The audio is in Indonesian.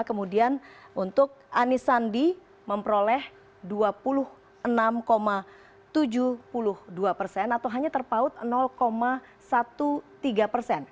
kemudian untuk anies sandi memperoleh dua puluh enam tujuh puluh dua persen atau hanya terpaut tiga belas persen